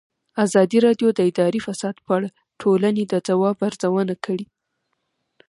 ازادي راډیو د اداري فساد په اړه د ټولنې د ځواب ارزونه کړې.